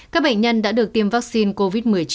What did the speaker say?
các bệnh nhân đã được tiêm vaccine covid một mươi chín